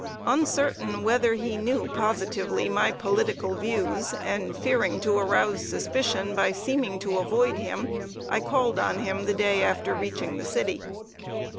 Uncertain whether he knew positively my political views, and fearing to arouse suspicion by seeming to avoid him, I called on him the day after reaching the city.